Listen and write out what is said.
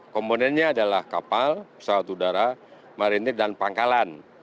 komponennya adalah kapal pesawat udara marinir dan pangkalan